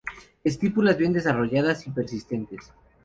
Estípulas bien desarrolladas y persistentes.